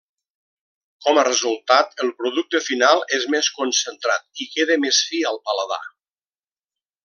Com a resultat el producte final és més concentrat i queda més fi al paladar.